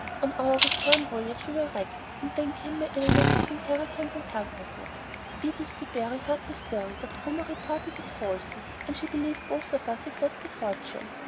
On our return voyage we were wrecked, and then came my illness, disinheritance, and helplessness. Edith Dubarry heard the story, but rumor reported it falsely, and she believed both of us had lost the fortune.